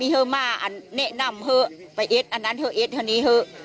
พี่ฮั่วมาอันแนะนำฮั่วไปเอ็ดอันนั้นเถอะเอ็ดเถอะนี้เถอะ